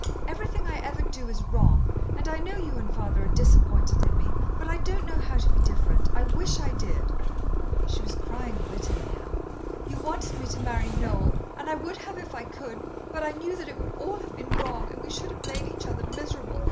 Everything I ever do is wrong, and I know you and father are disappointed in me, but I don't know how to be different I wish I did." She was crying bitterly now. "You wanted me to marry Noel, and I would have if I could, but I knew that it would all have been wrong, and we should have made each other miserable.